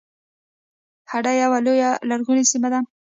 هډه یوه لویه لرغونې سیمه ده